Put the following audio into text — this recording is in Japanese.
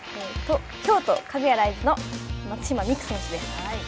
京都カグヤライズの松島美空選手です。